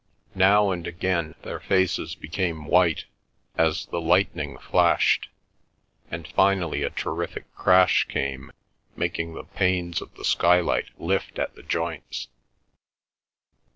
Now and again their faces became white, as the lightning flashed, and finally a terrific crash came, making the panes of the skylight lift at the joints.